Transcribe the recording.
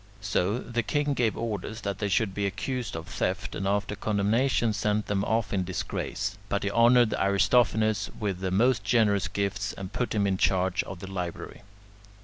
So, the king gave orders that they should be accused of theft, and after condemnation sent them off in disgrace; but he honoured Aristophanes with the most generous gifts, and put him in charge of the library.